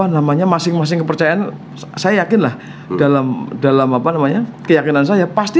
namanya masing masing kepercayaan saya yakinlah dalam dalam apa namanya keyakinan saya pasti